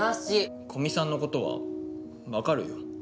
古見さんのことは分かるよ。